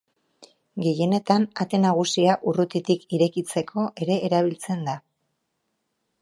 Gehienetan ate nagusia urrutitik irekitzeko ere erabiltzen da.